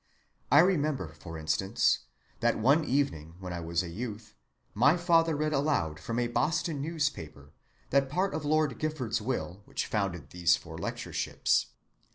I remember, for instance, that one evening when I was a youth, my father read aloud from a Boston newspaper that part of Lord Gifford's will which founded these four lectureships.